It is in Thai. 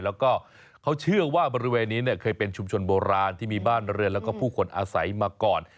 แล้วก็เขาเชื่อว่าบริเวณนี้เนี่ยเคยเป็นชุมชนโบราณที่มีบ้านเรือนแล้วก็ผู้คนอาศัยมาก่อน